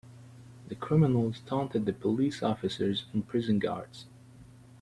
The criminals taunted the police officers and prison guards.